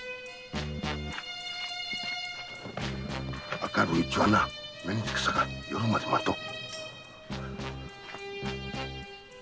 明るいうちは目につくから夜まで待とう。